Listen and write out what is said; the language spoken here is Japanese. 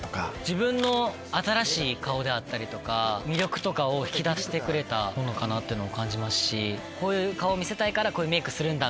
自分の新しい顔であったりとか魅力を引き出してくれたものかなって感じますしこういう顔見せたいからこういうメイクするんだ！